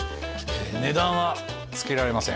値段はつけられません